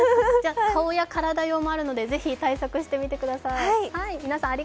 顔や体用もあるのでぜひ対策してください。